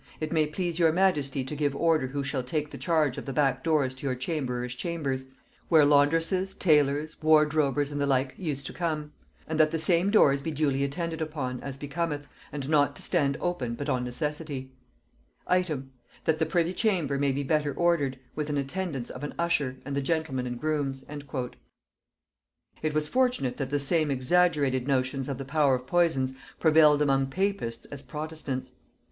It may please your majesty to give order who shall take the charge of the back doors to your chamberers chambers, where landresses, tailors, wardrobers, and the like, use to come; and that the same doors be duly attended upon, as becometh, and not to stand open but upon necessity. "Item. That the privy chamber may be better ordered, with an attendance of an usher, and the gentlemen and grooms." [Note 48: "Burleigh Papers" by Haynes, p. 368.] It was fortunate that the same exaggerated notions of the power of poisons prevailed amongst papists as protestants.